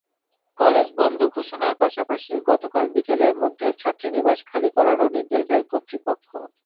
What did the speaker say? College বন্ধ ঘোষণার পাশাপাশি গতকাল বিকেলের মধ্যে ছাত্রীনিবাস খালি করারও নির্দেশ দেয় কর্তৃপক্ষ।